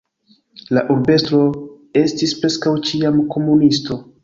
La urbestro estis preskaŭ ĉiam komunisto.